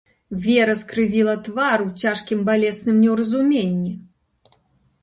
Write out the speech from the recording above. Вера скрывіла твар у цяжкім балесным неўразуменні.